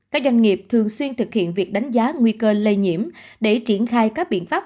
các doanh nghiệp thường xuyên thực hiện việc đánh giá nguy cơ lây nhiễm để triển khai các biện pháp